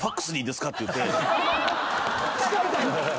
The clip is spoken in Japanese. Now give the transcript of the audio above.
使いたいの⁉